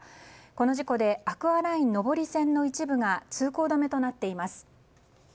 この事故でアクアライン上り線の一部が通行止めとなっています。